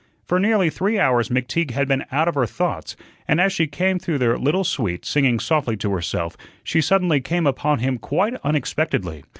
For nearly three hours McTeague had been out of her thoughts, and as she came through their little suite, singing softly to herself, she suddenly came upon him quite unexpectedly.